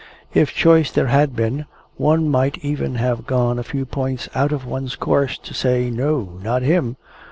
If choice there had been, one might even have gone a few points out of one's course, to say, "No! Not him!"